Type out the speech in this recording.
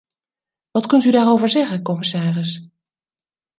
Wat kunt u daarover zeggen, commissaris?